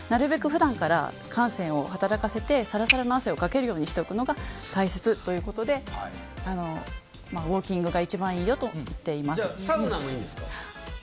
普段から汗腺を働かせてサラサラの汗をかけるようにしておくのが大切ということでウォーキングが一番いいと言っています。